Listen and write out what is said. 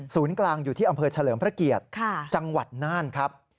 กลางอยู่ที่อำเภอเฉลิมพระเกียรติจังหวัดน่านครับ